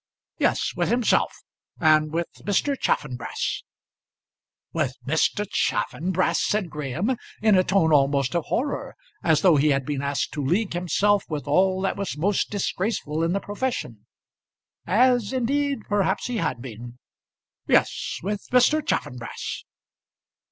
"Yes; with himself, and with Mr. Chaffanbrass." "With Mr. Chaffanbrass!" said Graham, in a tone almost of horror as though he had been asked to league himself with all that was most disgraceful in the profession; as indeed perhaps he had been. "Yes with Mr. Chaffanbrass."